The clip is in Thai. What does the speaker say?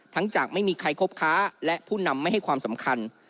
จากไม่มีใครคบค้าและผู้นำไม่ให้ความสำคัญ